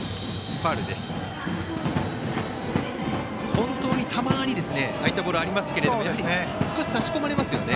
本当にたまにああいったボールがありますがやはり少し差し込まれますよね。